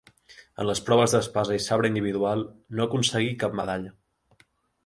En les proves d'espasa i sabre individual no aconseguí cap medalla.